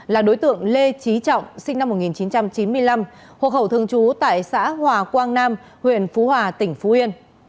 là đối tượng lê trí trọng sinh năm một nghìn chín trăm chín mươi năm hộ khẩu thường trú tại xã hòa quang nam huyện phú hòa tỉnh phú yên